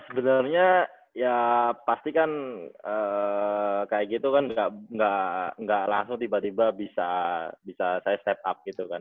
sebenernya ya pasti kan kayak gitu kan nggak langsung tiba tiba bisa saya step up gitu kan